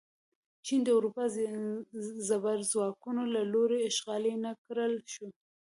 چین د اروپايي زبرځواکونو له لوري اشغال نه کړل شو.